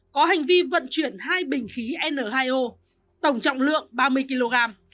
có hành vi vận chuyển hai bình khí n hai o tổng trọng lượng ba mươi kg